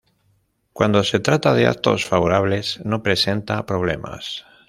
Cuando se trata de actos favorables no presenta problemas.